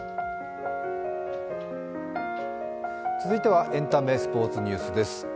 続いてはエンタメ、スポーツニュースです。